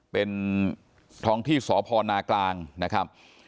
เป็นท้องที่สพนากลางนะครับ